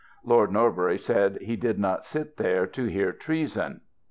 Lord Norbury said he did not sit there to liear treason.